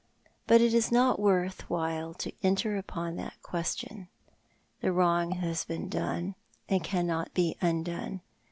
But it is not worth while to enter upon that question. The wrong has been done, and cannot be undone.